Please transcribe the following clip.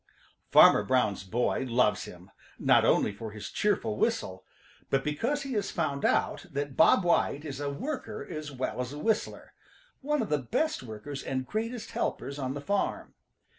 Farmer Brown's boy loves him, not only for his cheerful whistle, but because he has found out that Bob White is a worker as well as a whistler, one of the best workers and greatest helpers on the farm.